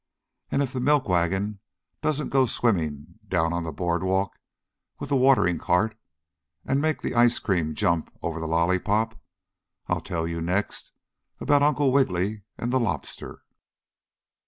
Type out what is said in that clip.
And if the milk wagon doesn't go swimming down on the board walk with the watering cart and make the ice cream jump over the lollypop, I'll tell you next about Uncle Wiggily and the Lobster.